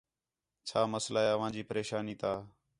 چَھا مسئلہ ہے اواں جی پریشانی تا